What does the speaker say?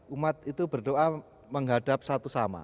umat itu berdoa menghadap satu sama